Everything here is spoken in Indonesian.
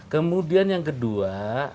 kemudian yang kedua